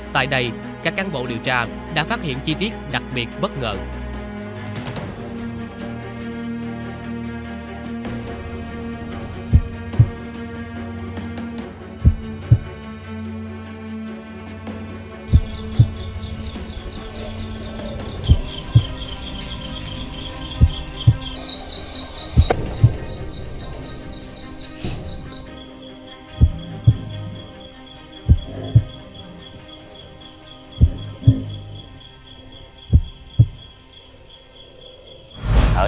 tại đây các cán bộ điều tra đã phát hiện chi tiết đặc biệt bất ngờ